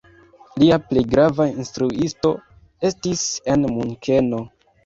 Lia plej grava instruisto estis en Munkeno.